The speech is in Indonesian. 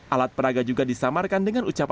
alat peraga juga disamarkan dengan ucapan